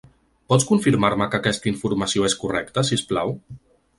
Pots confirmar-me que aquesta informació és correcte, si us plau?